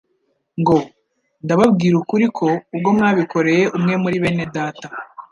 ngo: «Ndababwira ukuri ko ubwo mwabikoreye umwe muri bene data